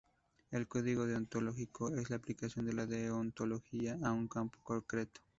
El código deontológico es la aplicación de la deontología a un campo concreto.